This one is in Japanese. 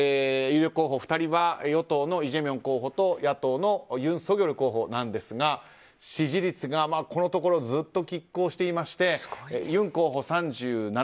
有力候補２人は与党のイ・ジェミョン候補と野党のユン・ソギョル候補ですが支持率がずっと拮抗していましてユン候補、３７％